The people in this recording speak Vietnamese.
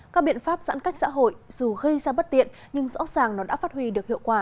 các biện pháp giãn cách xã hội dù gây ra bất tiện nhưng rõ ràng nó đã phát huy được hiệu quả